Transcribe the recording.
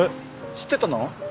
知ってたの？